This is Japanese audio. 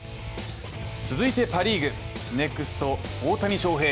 続いてパ・リーグ、ネクスト大谷翔平